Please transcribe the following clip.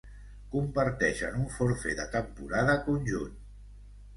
Comparteixen un forfet de temporada conjunt.